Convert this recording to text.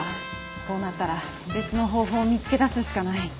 こうなったら別の方法を見つけ出すしかない。